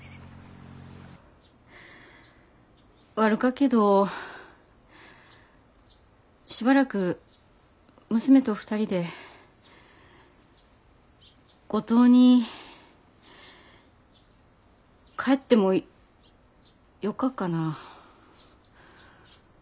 悪かけどしばらく娘と２人で五島に帰ってもよかかな？